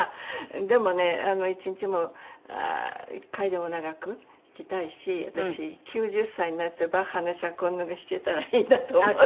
でもね１日も１回でも長く弾きたいし私９０歳になってバッハの『シャコンヌ』が弾けたらいいなと思って。